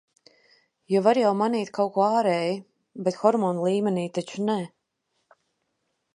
Jo var jau mainīt kaut ko ārēji, bet hormonu līmenī taču ne.